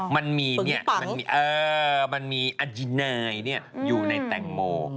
มันมีเนี่ยมันมีอดินายอยู่ในแตงโม